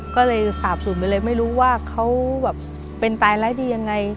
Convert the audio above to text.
ก็เลยสาบสุดไปเลยไม่รู้ว่าเขาเป็นตายแล้วยังไง